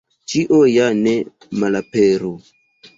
Ĉio ja ne malaperu.